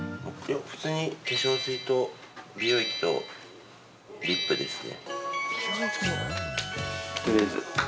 普通に化粧水と美容液とリップですね。